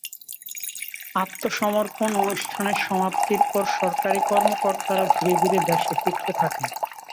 আত্মসমর্পণ অনুষ্ঠানের সমাপ্তির পর সরকারি কর্মকর্তারা ধীরে ধীরে দেশে ফিরতে থাকেন।